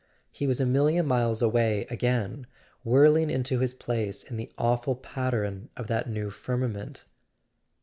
He was a million miles away again, whirling into his place in the awful pattern of that new' firmament.